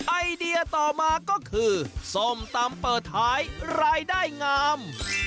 ไอเดียต่อมาก็คือส้มตำเปิดท้ายรายได้งาม